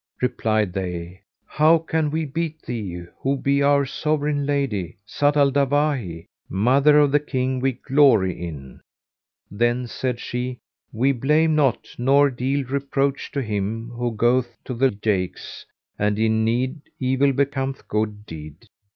Replied they, "How can we beat thee, who be our sovereign lady, Zat al Dawahi, mother of the King we glory in?" Then said she, "We blame not nor deal reproach to him who goeth to the jakes, and in need evil becometh good deed.